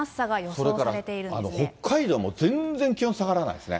それから北海道も全然気温下がらないですね。